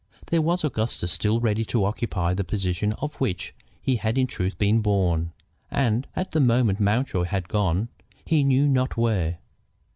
There was Augustus still ready to occupy the position to which he had in truth been born. And at the moment Mountjoy had gone he knew not where.